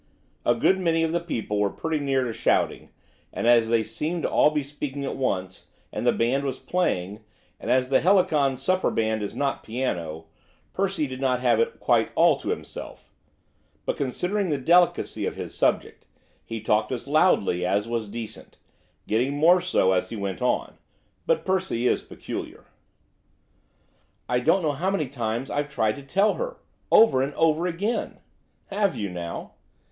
A good many of the people were pretty near to shouting, and as they seemed to be all speaking at once, and the band was playing, and as the Helicon supper band is not piano, Percy did not have it quite all to himself, but, considering the delicacy of his subject, he talked as loudly as was decent, getting more so as he went on. But Percy is peculiar. 'I don't know how many times I've tried to tell her, over and over again.' 'Have you now?